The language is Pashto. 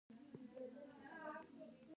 د افغانستان طبیعت له دغو ولایتونو جوړ شوی دی.